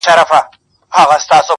نه یې رنګ نه یې آواز چاته منلی!